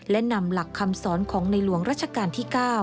และนำหลักคำสอนของในหลวงรัชกาลที่๙